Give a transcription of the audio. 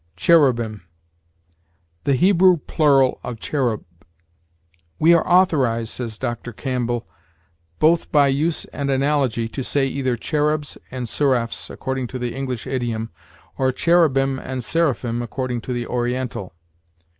CHERUBIM. The Hebrew plural of cherub. "We are authorized," says Dr. Campbell, "both by use and analogy, to say either cherubs and seraphs, according to the English idiom, or cherubim and seraphim, according to the Oriental.